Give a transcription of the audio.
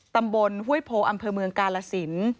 ตำบลห้วยโพอำเภอเมืองกาลสิน